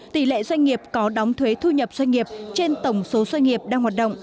tỷ lệ doanh nghiệp có đóng thuế thu nhập doanh nghiệp trên tổng số doanh nghiệp đang hoạt động